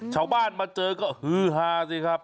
ชาวบ้านมาเจอก็ฮือฮาสิครับ